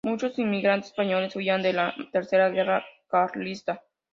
Muchos inmigrantes españoles huían de la Tercera guerra Carlista.